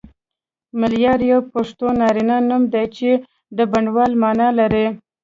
ملیار یو پښتو نارینه نوم دی چی د بڼوال معنی لری